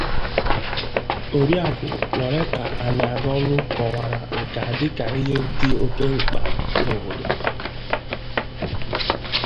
Oriakụ Loretta Aniagolu kọwàrà nkà dịka ihe dị oke mkpà n'obodo